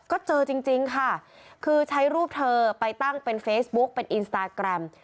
ก็เจอจริงค่ะคือใช้รูปเธอไปตั้งเป็นเฟซบุ๊กเป็นอินสตาแกรม